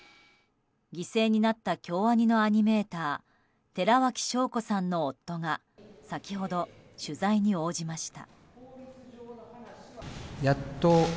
犠牲になった京アニのアニメーター寺脇晶子さんの夫が先ほど取材に応じました。